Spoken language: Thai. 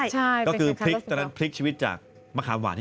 ใช่ค่ะใจจนซื้อ๑๐ล้อ